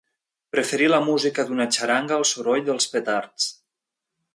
Preferir la música d'una xaranga al soroll dels petards.